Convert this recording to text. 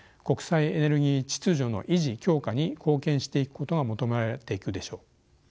国際エネルギー秩序の維持・強化に貢献していくことが求められていくでしょう。